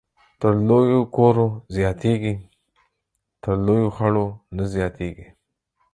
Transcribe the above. تر لويو کورو زياتېږي ، تر لويو خړو نه زياتېږي